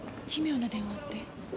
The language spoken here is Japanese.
奇妙な電話って？